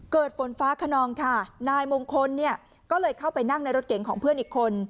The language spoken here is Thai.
ฝนฟ้าขนองค่ะนายมงคลเนี่ยก็เลยเข้าไปนั่งในรถเก๋งของเพื่อนอีกคน